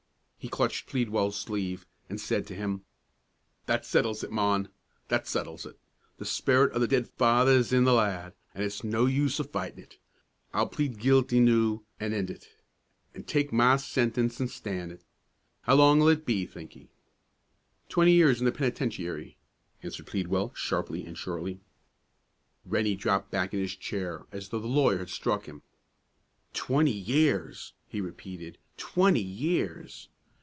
He clutched Pleadwell's sleeve, and said to him, "That settles it, mon; that settles it. The spirit o' the dead father's i' the lad, an' it's no use o' fightin' it. I'll plead guilty noo, an' end it, an' tak ma sentence an' stan' it. How long'll it be, think ye?" "Twenty years in the Penitentiary," answered Pleadwell, sharply and shortly. Rennie dropped back in his chair, as though the lawyer had struck him. "Twenty years!" he repeated; "twenty years!